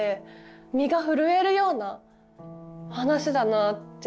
身が震えるような話だなって思いましたね